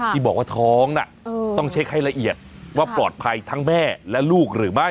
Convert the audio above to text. ที่บอกว่าท้องน่ะต้องเช็คให้ละเอียดว่าปลอดภัยทั้งแม่และลูกหรือไม่